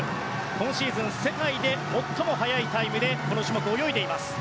今シーズン世界で最も速いタイムでこの種目、泳いでいます。